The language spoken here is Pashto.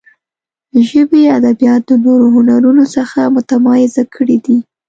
ژبې ادبیات د نورو هنرونو څخه متمایزه کړي دي.